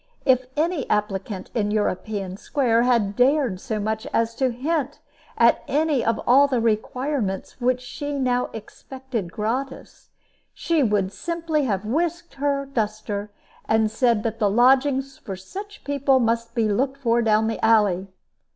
If any applicant in European Square had dared so much as hint at any of all the requirements which she now expected gratis, she would simply have whisked her duster, and said that the lodgings for such people must be looked for down the alley.